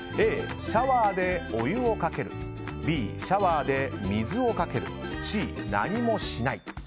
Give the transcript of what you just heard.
Ａ、シャワーでお湯をかけるＢ、シャワーで水をかけるＣ、何もしない。